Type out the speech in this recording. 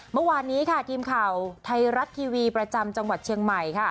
เมื่อวานนี้ค่ะทีมข่าวไทยรัฐทีวีประจำจังหวัดเชียงใหม่ค่ะ